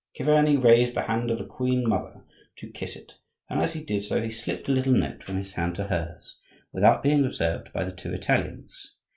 Chiverni raised the hand of the queen mother to kiss it, and as he did so he slipped a little note from his hand to hers, without being observed by the two Italians.